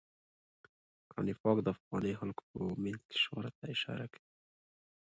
قرآن پاک د پخوانیو خلکو په مینځ کې شهرت ته اشاره کوي.